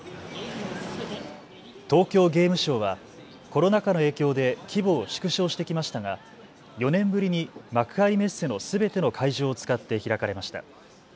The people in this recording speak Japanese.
東京ゲームショウはコロナ禍の影響で規模を縮小してきましたが４年ぶりに幕張メッセのすべての会場を使って開かれました。